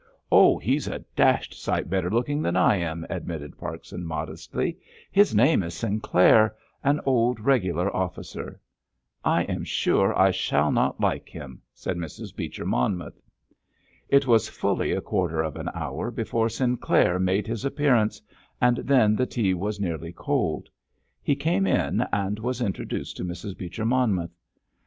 "Oh, he's a dashed sight better looking than I am," admitted Parkson modestly; "his name is Sinclair, an old regular officer." "I am sure I shall not like him," said Mrs. Beecher Monmouth. It was fully a quarter of an hour before Sinclair made his appearance, and then the tea was nearly cold. He came in, and was introduced to Mrs. Beecher Monmouth.